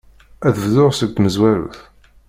Ad bduɣ seg tmezwarut.